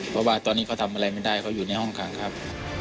เพราะว่าตอนนี้เขาทำอะไรไม่ได้เขาอยู่ในห้องขังครับ